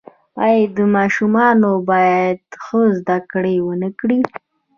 آیا ماشومان باید ښه زده کړه ونکړي؟